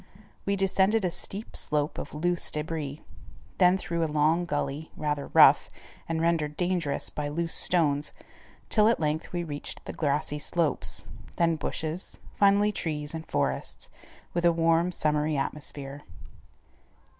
We descended a steep slope of loose debris, then through a long gully, rather rough, and rendered dangerous by loose stones, till at length we reached the grassy slopes, then bushes, finally trees and forests, with a warm summery atmosphere.